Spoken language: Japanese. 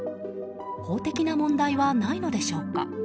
法的な問題はないのでしょうか？